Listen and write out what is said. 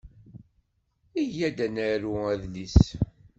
Iyya ad d-naru adlis.